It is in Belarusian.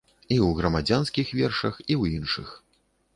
І ў грамадзянскіх вершах, і ў іншых.